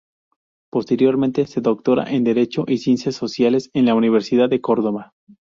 Posteriormente se doctora en Derecho y Ciencias Sociales en la Universidad de Córdoba.